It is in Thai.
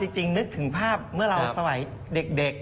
จริงนึกถึงภาพเมื่อเราสมัยเด็ก